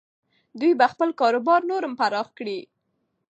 دوی به خپل کاروبار نور هم پراخ کړي.